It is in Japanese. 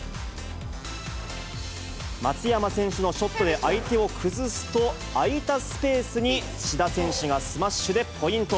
松山選手のショットで相手を崩すと、空いたスペースに志田選手がスマッシュでポイント。